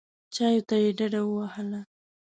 چایو ته یې ډډه ووهله.